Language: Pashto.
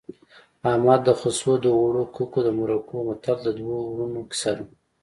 احمد د خسو د اوړو ککو د مرکو متل د دوو ورونو کیسه ده